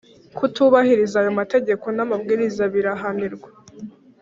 Kutubahiriza ayo mategeko n’amabwiriza birahanirwa